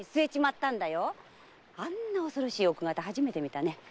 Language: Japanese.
あんな怖ろしい奥方初めて見たね。